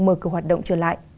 mở cửa hoạt động trở lại